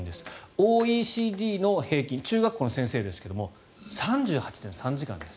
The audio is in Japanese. ＯＥＣＤの平均中学校の先生ですが３８．３時間です。